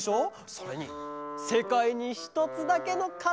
それにせかいにひとつだけのカルタだから！